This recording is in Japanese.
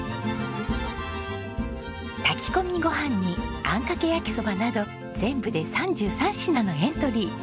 炊き込みご飯にあんかけ焼きそばなど全部で３３品のエントリー。